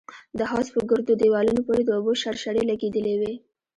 د حوض په ګردو دېوالونو پورې د اوبو شرشرې لگېدلې وې.